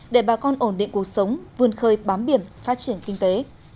để bà con ổn định cuộc sống vươn khơi bám biển phát triển kinh tế